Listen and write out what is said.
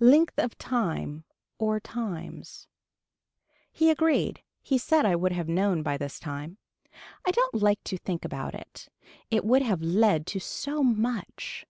Length of time or times. He agreed. He said I would have known by this time. I don't like to think about it. It would have led to so much.